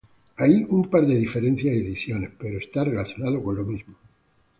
Ahí un par de diferencias y adiciones, pero está relacionado con lo mismo.